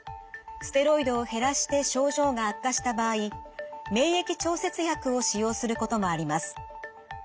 ステロイドを減らして症状が悪化した場合免疫調節薬を使用することもあります。